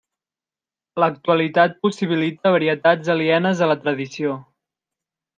L'actualitat possibilita varietats alienes a la tradició.